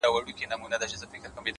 د اوښکو ټول څاڅکي دي ټول راټول کړه ـ